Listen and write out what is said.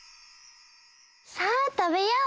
さあたべよう！